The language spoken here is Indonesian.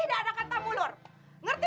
tidak ada kata berhenti